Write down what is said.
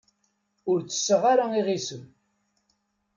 Ur ttesseɣ ara iɣisem.